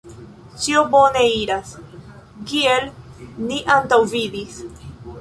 Ĉio bone iras, kiel ni antaŭvidis.